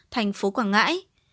thành phố quảng ngãi